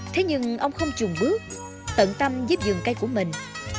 thế nhưng ông không chùn bước tận tâm giúp giường cây của mình